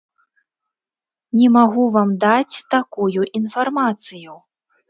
Не магу вам даць такую інфармацыю.